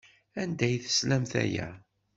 Anda ay teslamt aya?